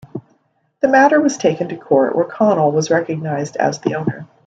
The matter was taken to court, where Connell was recognised as the owner.